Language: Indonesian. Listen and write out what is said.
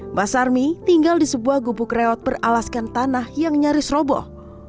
mbak sarmi tinggal di sebuah gubuk reot beralaskan tanah yang nyaris roboh